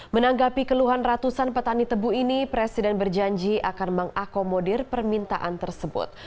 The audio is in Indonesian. menanggapi keluhan ratusan petani tebu ini presiden berjanji akan mengakomodir permintaan tersebut